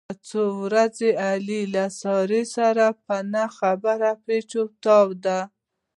دا څو ورځې علي له سارې سره په نه خبره پېچ او تاو دی.